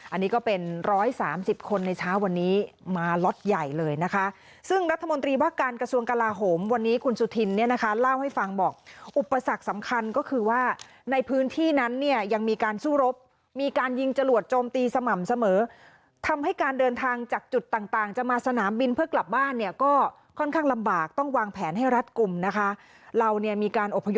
อันนี้ก็เป็นร้อยสามสิบคนในเช้าวันนี้มาล็อตใหญ่เลยนะคะซึ่งรัฐมนตรีว่าการกระทรวงกลาโหมวันนี้คุณสุธินเนี่ยนะคะเล่าให้ฟังบอกอุปสรรคสำคัญก็คือว่าในพื้นที่นั้นเนี่ยยังมีการสู้รบมีการยิงจรวดโจมตีสม่ำเสมอทำให้การเดินทางจากจุดต่างต่างจะมาสนามบินเพื่อกลับบ้านเนี่ยก็ค่อนข้างลำบากต้องวางแผนให้รัฐกลุ่มนะคะเราเนี่ยมีการอพย